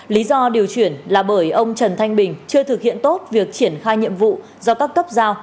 lý do điều chuyển là bởi ông trần thanh bình chưa thực hiện tốt việc triển khai nhiệm vụ do các cấp giao